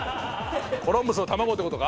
コロンブスの卵ってことか？